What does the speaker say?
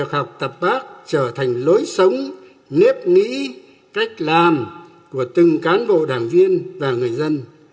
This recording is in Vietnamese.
việc học tập bác trở thành lối sống nếp nghĩ cách làm của từng cán bộ đảng viên và người dân